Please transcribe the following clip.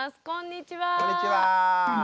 こんにちは。